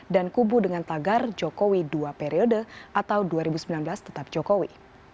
dan kubu dengan tagar jokowi dua periode atau dua ribu sembilan belas tetap jokowi